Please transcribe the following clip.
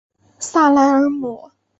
萨莱尔姆。